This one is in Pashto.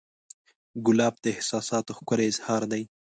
ګلاب د احساساتو ښکلی اظهار دی.